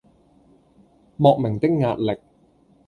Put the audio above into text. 莫名的壓力